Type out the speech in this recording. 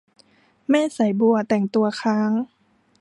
แม่สายบัวแต่งตัวค้าง